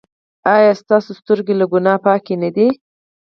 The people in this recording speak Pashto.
ایا ستاسو سترګې له ګناه پاکې نه دي؟